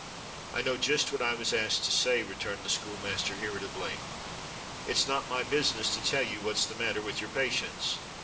"I know just what I was asked to say," returned the schoolmaster irritably. "It's not my business to tell you what's the matter with your patients.